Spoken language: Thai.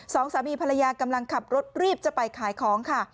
สองสามีภรรยากำลังขับรถรีบจะไปขายของค่ะ